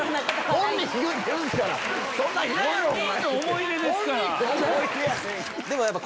本人の思い出ですから。